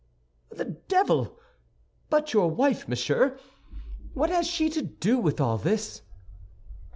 "The devil! But your wife, monsieur, what has she to do with all this?"